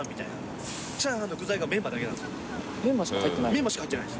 メンマしか入ってない？